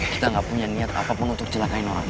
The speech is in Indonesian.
kita gak punya niat apapun untuk celakain orang